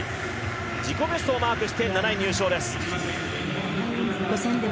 自己ベストをマークして７位入賞です。